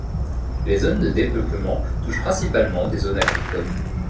Les zones de dépeuplement touchent principalement des zones agricoles.